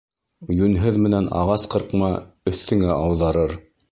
Йүнһеҙ менән ағас ҡырҡма өҫтөңә ауҙарыр.